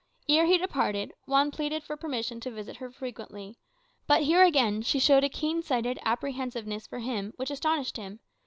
Ere he departed, Juan pleaded for permission to visit her frequently. But here again she showed a keen sighted apprehensiveness for him, which astonished him.